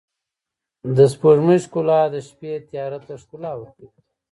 د سپوږمۍ ښکلا د شپې تیاره ته ښکلا ورکوي.